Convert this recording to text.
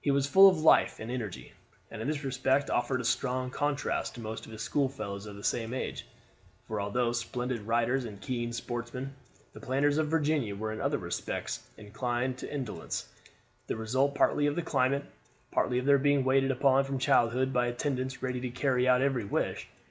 He was full of life and energy, and in this respect offered a strong contrast to most of his schoolfellows of the same age. For although splendid riders and keen sportsmen, the planters of Virginia were in other respects inclined to indolence; the result partly of the climate, partly of their being waited upon from childhood by attendants ready to carry out every wish.